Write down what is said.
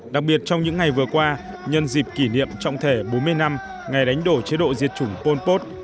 đặc biệt trong những ngày vừa qua nhân dịp kỷ niệm trọng thể bốn mươi năm ngày đánh đổ chế độ diệt chủng pol pot